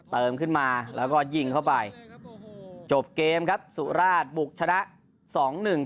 เติมขึ้นมาแล้วก็ยิงเข้าไปจบเกมครับสุราชบุกชนะสองหนึ่ง